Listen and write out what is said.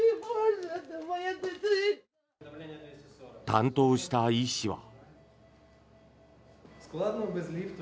担当した医師は。